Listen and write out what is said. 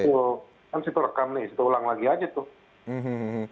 kan situ rekam nih situ ulang lagi aja tuh